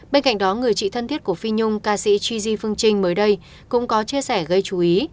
bên cạnh đó người chị thân thiết của phi nhung ca sĩ ji phương trinh mới đây cũng có chia sẻ gây chú ý